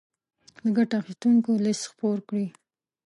د ګټه اخيستونکو ليست خپور کړي.